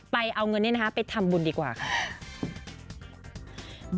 เอาเงินนี้นะคะไปทำบุญดีกว่าค่ะ